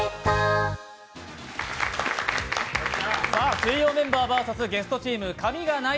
水曜メンバーＶＳゲストチーム、「紙がない！」